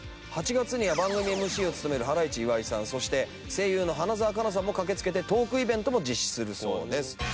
８月には番組ＭＣを務めるハライチ岩井さんそして声優の花澤香菜さんも駆け付けてトークイベントも実施するそうです。